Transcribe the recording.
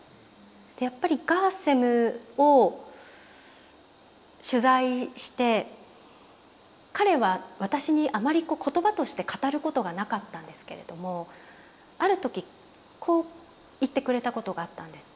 やっぱりガーセムを取材して彼は私にあまり言葉として語ることがなかったんですけれどもある時こう言ってくれたことがあったんです。